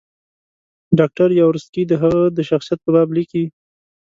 ډاکټر یاورسکي د هغه د شخصیت په باب لیکي.